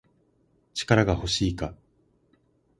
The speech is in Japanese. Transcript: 力が欲しいか